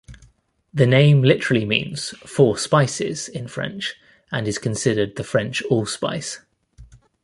The name literally means "four spices" in French and is considered the French allspice.